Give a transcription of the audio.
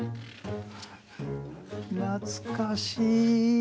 懐かしい！